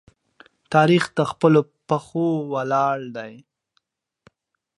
تاریخ د خپلو پښو ولاړ دی.